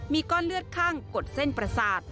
มีก้อนเลือดข้างกดเส้นประสาท